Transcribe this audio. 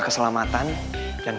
kayak perhatian banget